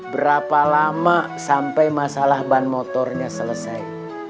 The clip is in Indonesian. berapa lama sampai masalah ban motornya selesai